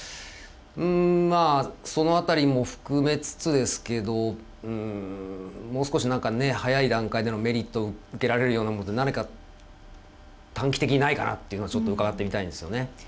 うんまあその辺りも含めつつですけどもう少し何かね早い段階でのメリット受けられるようなもの何か短期的にないかなというのはちょっと伺ってみたいんですよね。